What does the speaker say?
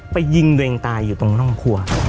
ยิงตัวเองตายอยู่ตรงร่องครัว